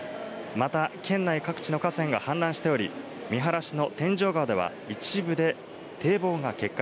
また県内各地の河川が氾濫しており、三原市の天井川では一部で堤防が決壊。